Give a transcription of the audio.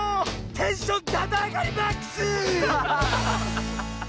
テンションだだあがりマックス！